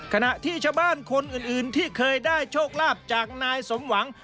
ขณะที่ชาวบ้านคนอื่นที่เคยได้โชคลาภจากนายสมหวัง